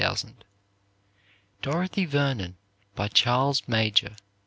175,000 "Dorothy Vernon," by Charles Major